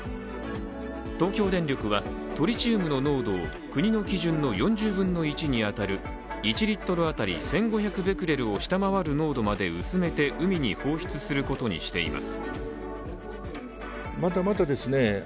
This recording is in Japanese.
東京電力はトリチウムの濃度を国の基準の４０分の１に当たる１リットル当たり１５００ベクレルを下回る濃度まで薄めて海に放出することにしています。